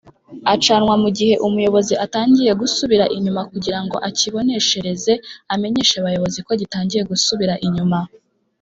acanwa mugihe umuyobozi atangiye gusubira inyuma Kugirango akiboneshereze amenyeshe bayobozi ko gitangiye gusubira inyuma